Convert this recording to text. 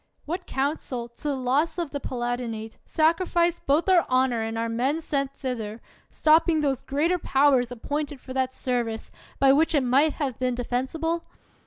What council, to the loss of the Palat inate, sacrificed both our honor and our men sent thither, stopping those greater powers ap pointed for that service, by which it might have been defensible?